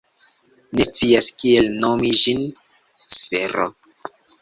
Ne scias kiel nomi ĝin. Sfero.